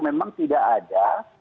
memang tidak ada